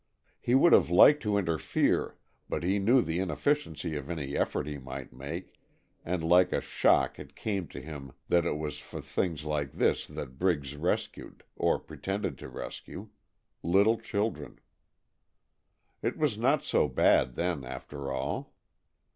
He would have liked to interfere, but he knew the inefficiency of any effort he might make, and like a shock it came to him that it was for things like this that Briggles rescued, or pretended to rescue little children. It was not so bad then, after all.